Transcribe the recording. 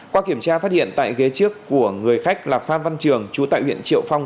qua kiểm tra phát hiện tại ghế trước của người khách là phan văn trường chú tại huyện triệu phong